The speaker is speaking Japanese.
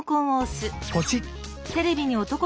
ポチッ！